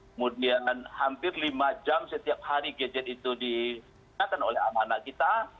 kemudian hampir lima jam setiap hari gadget itu digunakan oleh anak anak kita